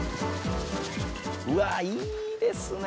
うわいいですね。